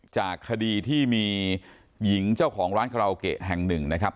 จากคดีที่มีหญิงเจ้าของร้านคาราโอเกะแห่งหนึ่งนะครับ